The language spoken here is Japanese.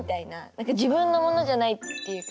何か自分のものじゃないっていうか